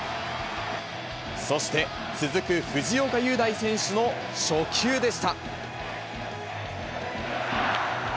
そして、続く藤岡裕大選手の初球でした。